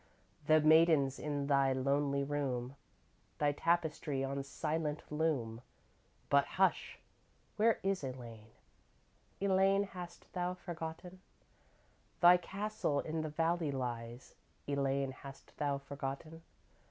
The maidens in thy lonely room, Thy tapestry on silent loom But hush! Where is Elaine? Elaine, hast thou forgotten? Thy castle in the valley lies, Elaine, hast thou forgotten?